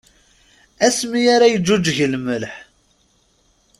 Asmi ara yeǧǧuǧǧeg lmelḥ.